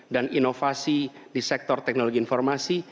dan inovasi di sektor teknologi informasi